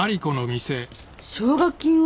奨学金を？